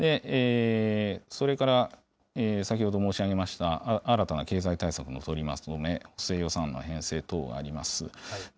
それから先ほど申し上げました、新たな経済対策の取りまとめ、補正予算案の編成等もあります。